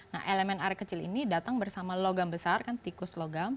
nah elemen air kecil ini datang bersama logam besar kan tikus logam